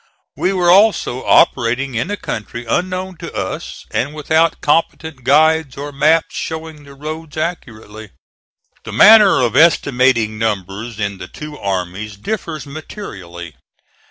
We were also operating in a country unknown to us, and without competent guides or maps showing the roads accurately. The manner of estimating numbers in the two armies differs materially.